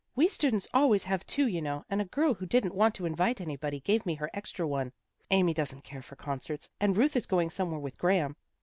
We students always have two, you know, and a girl who didn't want to invite anybody gave me her extra one. Amy doesn't care for concerts, and Ruth is going somewhere with Graham.